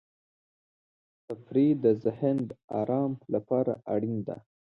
تفریح د ذهن د آرام لپاره اړین دی.